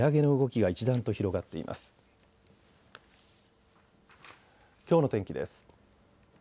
きょうの天気です。